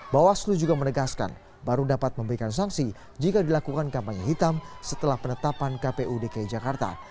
bawaslu juga menegaskan baru dapat memberikan sanksi jika dilakukan kampanye hitam setelah penetapan kpu dki jakarta